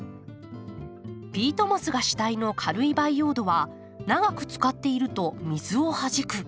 ピートモスが主体の軽い培養土は長く使っていると水をはじく。